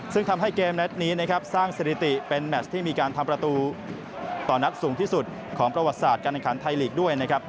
ซึ่งทำให้เกมอันตรายงานนี้สร้างสถิติเป็นแที่มีการทำประตูต่อนักสูงที่สุดของประวัติศาจการเองครันไทระวีกด้วยนะครับ